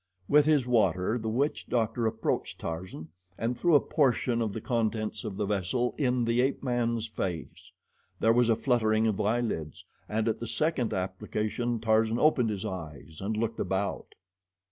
With his water, the witch doctor approached Tarzan and threw a portion of the contents of the vessel in the ape man's face. There was fluttering of the eyelids, and at the second application Tarzan opened his eyes and looked about.